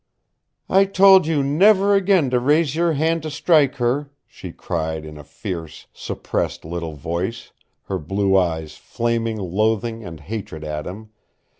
"I told you never again to raise your hand to strike her," she cried in a fierce, suppressed little voice, her blue eyes flaming loathing and hatred at him.